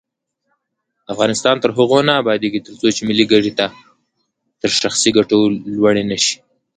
افغانستان تر هغو نه ابادیږي، ترڅو ملي ګټې تر شخصي ګټو لوړې نشي.